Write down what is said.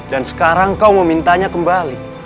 dan sekarang kau mau mintanya kembali